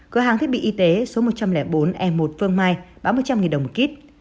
cửa hàng thiết bị y tế số một trăm linh bốn e một phương mai bán một trăm linh đồng một kít